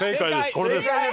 これです。